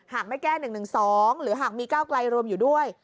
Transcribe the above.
หากไม่แก้๑๑๒หรือหากมีก้าวไกลรวมอยู่ด้วย